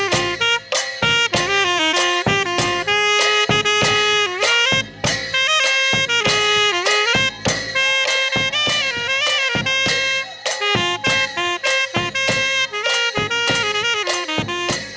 ไปเลยครับ